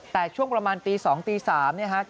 แต่ช่วงประมาณตี๒ตี๓เนี่ยฮะ